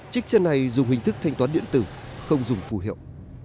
chiếc xe này dùng hình thức thanh toán điện tử không dùng phù hiệu